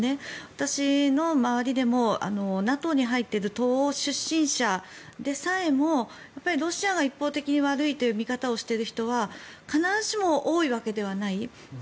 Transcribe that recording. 私の周りでもＮＡＴＯに入っている東欧出身者でさえもロシアが一方的に悪いという見方をしている人は必ずしも多いわけではない。